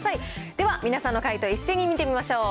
では、皆さんの解答を一斉に見てみましょう。